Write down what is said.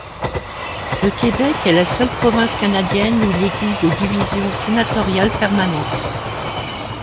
Le Québec est la seule province canadienne où il existe des divisions sénatoriales permanentes.